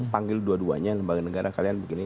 panggil dua duanya lembaga negara kalian begini